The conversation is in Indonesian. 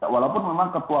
walaupun memang ketua